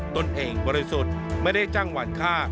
ตนเองบริสุทธิ์ไม่ได้จ้างหวานค่า